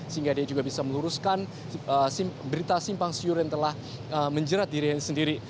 sehingga dia juga bisa meluruskan berita simpang siur yang telah menjerat dirinya sendiri